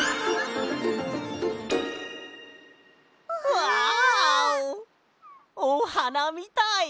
うわ！おはなみたい！